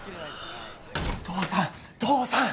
父さん父さん！